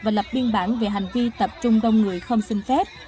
và lập biên bản về hành vi tập trung đông người không xin phép